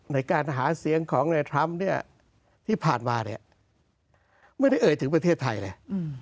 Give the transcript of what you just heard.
ในการหาเสียงของในทรัมป์เนี่ยที่ผ่านมาเนี่ยไม่ได้เอ่ยถึงประเทศไทยเลย